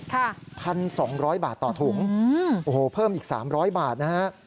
ค่ะค่ะ๑๒๐๐บาทต่อถุงโอ้โฮเพิ่มอีก๓๐๐บาทนะฮะ